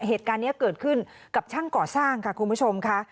เหตุการณ์นี้เกิดขึ้นกับช่างก่อสร้างค่ะคุณผู้ชมค่ะ